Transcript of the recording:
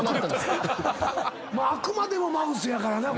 ⁉あくまでもマウスやからな。